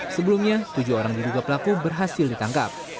sebelumnya tujuh orang diduga pelaku berhasil ditangkap